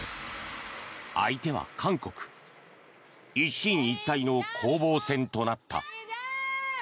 相手は韓国。一進一退の攻防戦となった。